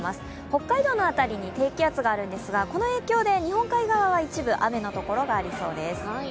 北海道の辺りに低気圧があるんですが、この影響で日本海側は一部、雨の所がありそうです。